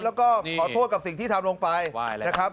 แล้วก็ขอโทษกับสิ่งที่ทำลงไปนะครับ